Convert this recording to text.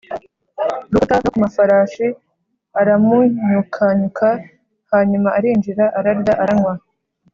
Rukuta no ku mafarashi aramunyukanyuka hanyuma arinjira ararya aranywa